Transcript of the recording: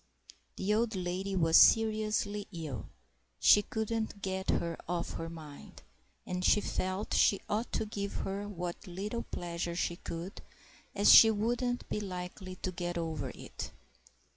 The old lady was seriously ill; she couldn't get her off her mind; and she felt she ought to give her what little pleasure she could, as she wouldn't be likely to get over it.